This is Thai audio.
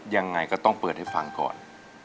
ยังไงก็ต้องเปิดให้ฟังก่อน